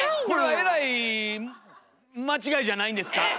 これはえらい間違いじゃないんですか。